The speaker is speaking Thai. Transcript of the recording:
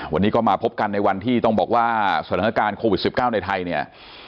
วันนี้ก็มาพบกันในวันที่ต้องบอกว่าสถานการณ์โควิด๑๙ในไทยเนี่ย